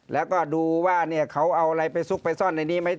แล้วก็ดูว่าเขาเอาอะไรไปซุกไปซ่อนในนี้ไหม